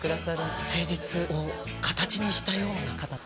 誠実を形にしたような方。